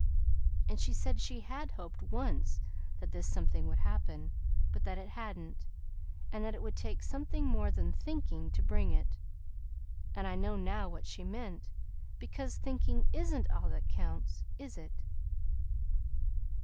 And she said she had hoped once that this something would happen; but that it hadn't, and that it would take something more than thinking to bring it. And I know now what she meant, because thinking isn't all that counts, is it?"